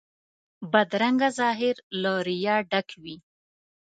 بدرنګه ظاهر له ریا ډک وي